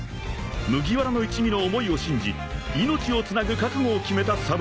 ［麦わらの一味の思いを信じ命をつなぐ覚悟を決めた侍］